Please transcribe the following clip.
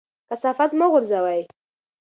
کثافات مه غورځوئ.